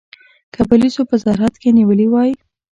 که پولیسو په سرحد کې نیولي وای.